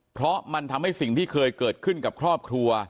เพราะมันทำให้สิ่งที่เคยเกิดขึ้นกับครอบครัว